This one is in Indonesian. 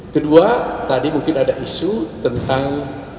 kedua tadi mungkin ada isu tentang